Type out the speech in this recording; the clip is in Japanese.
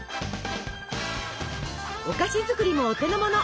お菓子作りもお手のもの！